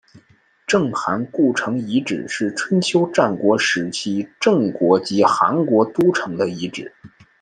郑韩故城遗址是春秋战国时期郑国及韩国都城的遗址。